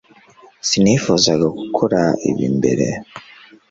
sinifuzaga gukora ibi mbere